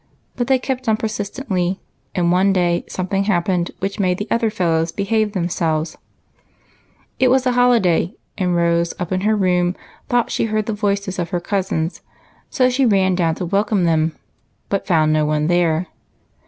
But they kejDt on persistently, and one day something happened which made the other fellows behave themselves for ever after. It was a holiday, and Rose up in her room thought she heard the voices of her cousins, so she ran down to welcome them, but found no one there.